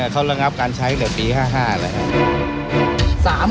เขาระงับการใช้เดี๋ยวปี๕๕แล้วครับ